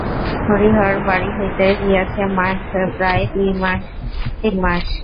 হরিহর বাড়ি হইতে গিয়াছে প্রায় দুই-তিন মাস।